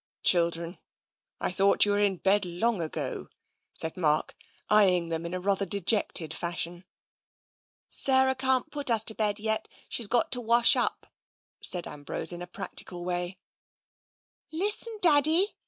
" Children, I thought you were in bed long ago,'* said Mark, eyeing them in a rather dejected fashion. '' Sarah can't put us to bed yet, she's got to wash up," said Ambrose, in a practical way. " Listen, Daddy